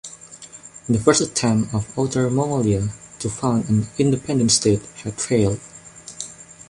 The first attempt of Outer Mongolia to found an independent state had failed.